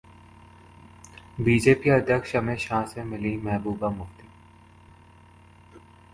BJP अध्यक्ष अमित शाह से मिलीं महबूबा मुफ्ती